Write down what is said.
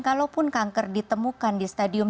kalaupun kanker ditemukan di stadium